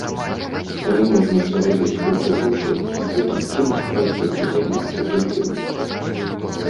Але можна ж зарабіць кучу грошай, а потым кінуць працу і займацца толькі музыкай.